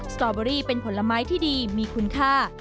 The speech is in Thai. สตอเบอรี่เป็นผลไม้ที่ดีมีคุณค่า